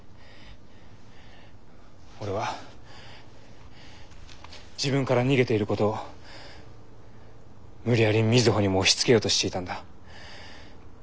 俺は自分から逃げていることを無理やり瑞穂にも押しつけようとしていたんだ。